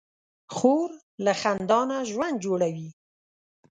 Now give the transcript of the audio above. خور له خندا نه ژوند جوړوي.